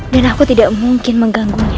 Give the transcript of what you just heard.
dan aku tidak mungkin mengganggunya